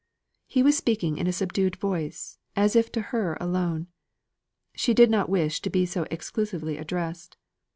He was speaking in a subdued voice, as if to her alone. She did not wish to be so exclusively addressed.